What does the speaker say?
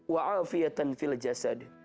wa afiatan fil jasad